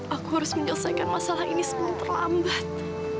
aku harus menyelesaikan masalah ini sebelum terlambat